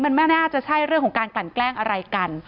มันไม่น่าจะใช่เรื่องของการกลั่นแกล้งอะไรกัน